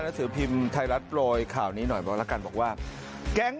สือพิมพ์ไทยรัฐโปรยข่าวนี้หน่อยบอกแล้วกันบอกว่าแก๊ง